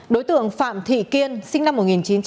đối tượng phạm thị kiên sinh năm một nghìn chín trăm tám mươi